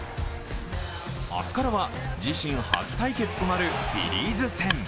明日からは自身初対決となるフィリーズ戦。